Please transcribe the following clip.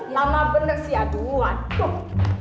lama bener sih aduh aduh